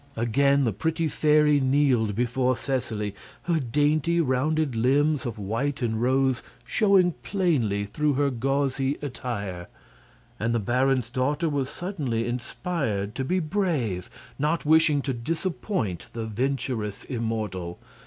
Again the pretty fairy kneeled before Seseley, her dainty, rounded limbs of white and rose showing plainly through her gauzy attire. And the baron's daughter was suddenly inspired to be brave, not wishing to disappoint the venturous immortal.